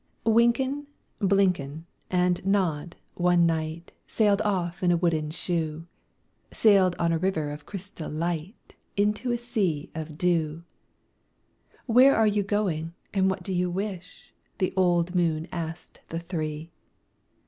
Wynken, Blynken, and Nod one night Sailed off in a wooden shoe,— Sailed on a river of crystal light Into a sea of dew. "Where are you going, and what do you wish?" The old moon asked the three.